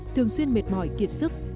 thường xuyên mệt mỏi kiệt sức